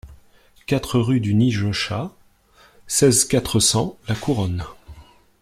quatre rue du Nige Chat, seize, quatre cents, La Couronne